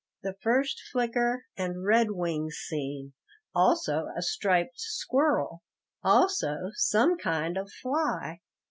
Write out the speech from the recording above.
The first flicker and red wing seen; also a striped squirrel; also some kind of fly.